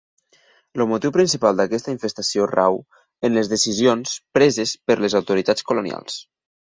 El motiu principal d'aquesta infestació rau en les decisions preses per les autoritats colonials.